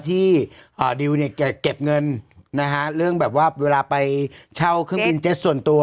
ที่ดิวเนี่ยเก็บเงินนะฮะเรื่องแบบว่าเวลาไปเช่าเครื่องบินเจ็ตส่วนตัว